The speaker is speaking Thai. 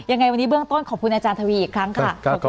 ยังไงวันนี้เบื้องต้นขอบคุณอาจารย์ทวีอีกครั้งค่ะ